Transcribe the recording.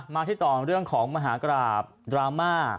มาที่ต่อเรื่องของมหากราบดราม่า